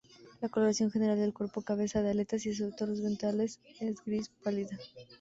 La coloración general del cuerpo, cabeza y aletas, excepto las ventrales, es gris pálida.